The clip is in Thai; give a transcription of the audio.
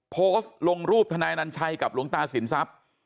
โพสต์ลงรูปทนายนัญชัยกับหลวงตาสินทรัพย์